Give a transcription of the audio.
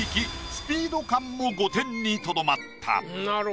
スピード感も５点にとどまった。